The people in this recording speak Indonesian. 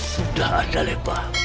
sudah anda lepas